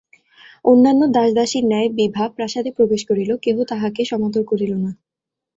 অন্যান্য দাসদাসীর ন্যায় বিভা প্রাসাদে প্রবেশ করিল, কেহ তাহাকে সমাদর করিল না।